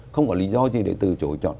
không có lý do gì để từ chối chọn